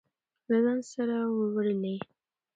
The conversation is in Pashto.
له ځان سره وړلې.